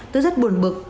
tôi rất buồn bực